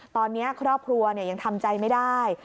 ตอนนี้ครอบครัวยังทำใจไม่ได้